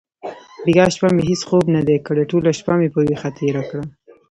بیګا شپه مې هیڅ خوب ندی کړی. ټوله شپه مې په ویښه تېره کړه.